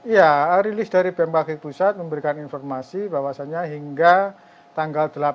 ya rilis dari bmkg pusat memberikan informasi bahwasannya hingga tanggal delapan